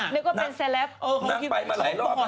เน่งควรเป็นเซลลัฟส์เน่ที่มันไปมาร่ายรอบเเหละ